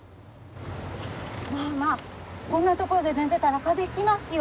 まあまあこんな所で寝てたら風邪ひきますよ。